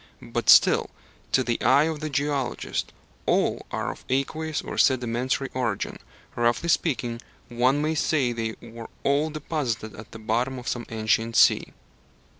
But still, to the eye of the geologist, all are of aqueous or sedimentary origin: roughly speaking, one may say they were all deposited at the bottom of some ancient sea.